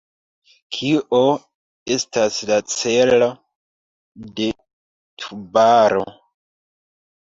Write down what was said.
Kio estas la celo de Tubaro?